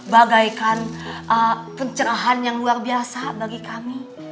bagaikan pencerahan yang luar biasa bagi kami